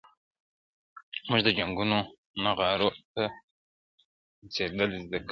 • موږ د جنګونو نغارو ته نڅېدل زده کړي -